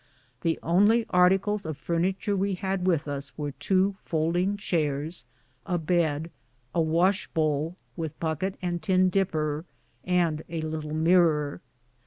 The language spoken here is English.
The only articles of furniture we had with us were two fold ing chaii*s, a bed, a wash bowl, with bucket and tin di}> per, and a little mirror.